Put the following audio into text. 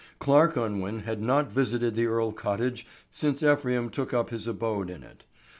Clarke Unwin had not visited the Earle cottage since Ephraim took up his abode in it.